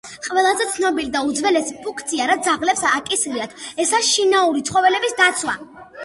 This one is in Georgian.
ყველაზე ცნობილი და უძველესი ფუნქცია, რაც ძაღლებს აკისრიათ, ესაა შინაური ცხოველების დაცვა